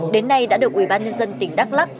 đến nay đã được ubnd tỉnh đắk lắc